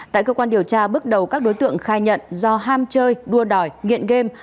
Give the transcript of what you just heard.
tại cơ quan điều tra bước đầu các đối tượng khai nhận do ham chơi đua đòi nghiện game